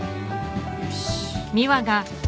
よし。